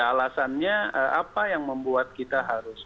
alasannya apa yang membuat kita harus